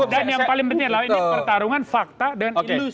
dan yang paling penting ini pertarungan fakta dan ilusi